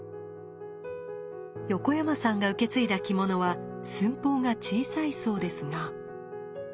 横山さんが受け継いだ着物は寸法が小さいそうですが。